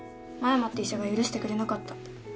真山って医者が許してくれなかった。